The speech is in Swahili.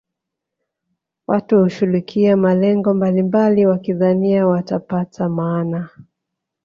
watu hushughulikia malengo mbalimbali wakidhania watapata maana